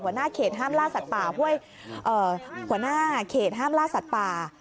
หัวหน้าเขตห้ามล่าสัตว์ป่า